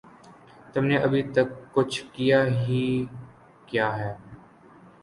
تم نے ابھے تک کچھ کیا ہی کیا ہے